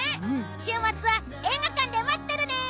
週末は映画館で待ってるね！